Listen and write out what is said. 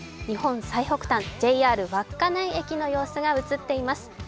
日本最北端、ＪＲ稚内駅の様子が映っています。